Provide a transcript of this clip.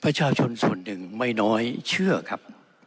ประชาชนส่วนหนึ่งไม่น้อยเชื่อครับ